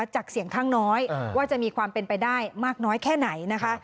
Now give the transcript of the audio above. จากเสียงข้างน้อยว่าจะมีความเป็นไปได้มากน้อยแค่ไหนนะคะ